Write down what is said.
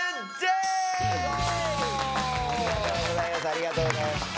ありがとうございます。